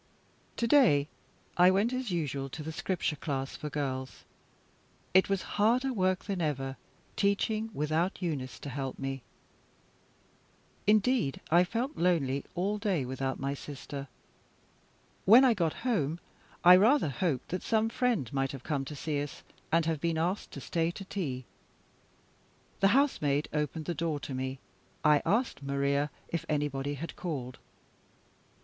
To day I went as usual to the Scripture class for girls. It was harder work than ever, teaching without Eunice to help me. Indeed, I felt lonely all day without my sister. When I got home, I rather hoped that some friend might have come to see us, and have been asked to stay to tea. The housemaid opened the door to me. I asked Maria if anybody had called.